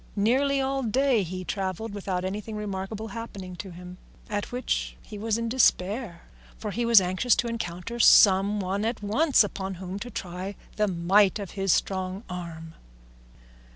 Nearly all day he travelled without anything remarkable happening to him, at which he was in despair, for he was anxious to encounter some one at once upon whom to try the might of his strong arm.